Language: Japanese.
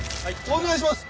お願いします。